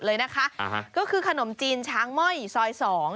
เลยนะคะอ่าฮะก็คือขนมจีนช้างม่อยซอยสอง